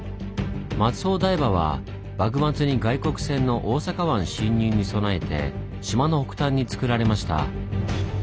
松帆台場は幕末に外国船の大阪湾侵入に備えて島の北端につくられました。